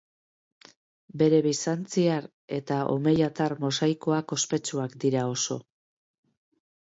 Bere bizantziar eta omeiatar mosaikoak ospetsuak dira oso.